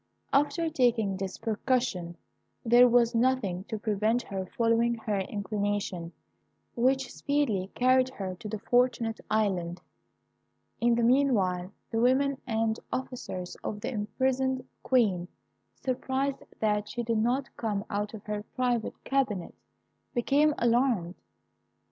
After taking this precaution, there was nothing to prevent her following her inclination, which speedily carried her to the Fortunate Island. In the meanwhile, the women and officers of the imprisoned Queen, surprised that she did not come out of her private cabinet, became alarmed.